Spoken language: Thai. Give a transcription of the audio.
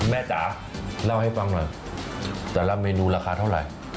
จ๋าเล่าให้ฟังหน่อยแต่ละเมนูราคาเท่าไหร่